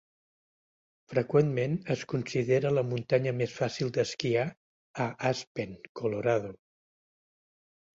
Freqüentment es considera la muntanya més fàcil d'esquiar a Aspen, Colorado.